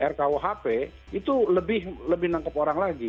rkuhp itu lebih menangkap orang lagi